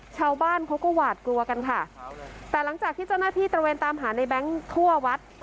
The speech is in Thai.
ชาวบ้านเขาก็หวาดกลัวกันค่ะแต่หลังจากที่เจ้าหน้าที่ตระเวนตามหาในแบงค์ทั่ววัด